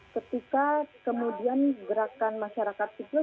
iya itu kan sebenarnya statement yang dikeluarkan oleh tawagud keluar